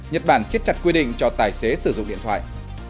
nhật bản siết chặt quy định cho tài xế sử dụng điện thoại